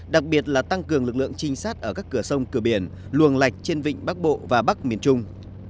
đặc biệt là tăng cường lực lượng trinh sát ở các cửa sông cửa biển luồng lạch trên vịnh bắc bộ và bắc miền trung